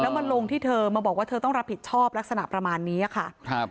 มาลงที่เธอมาบอกว่าเธอต้องรับผิดชอบลักษณะประมาณนี้ค่ะครับ